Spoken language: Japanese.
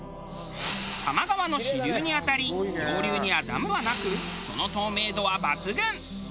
多摩川の支流に当たり上流にはダムはなくその透明度は抜群。